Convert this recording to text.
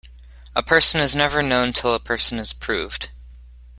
A person is never known till a person is proved.